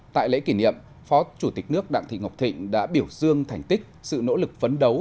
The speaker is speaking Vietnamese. tại lễ kỷ niệm phó chủ tịch nước đặng thị ngọc thịnh đã biểu dương thành tích sự nỗ lực phấn đấu